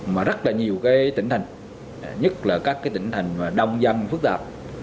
mà rất là nhiều tỉnh thành nhất là các tỉnh thành đông dân phức tạp